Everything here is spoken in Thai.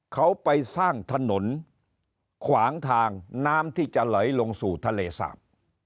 เขาไปสร้างถนนขวางทางน้ำที่จะไหลลงสู่ทะเลสาบ